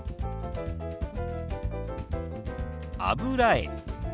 「油絵」。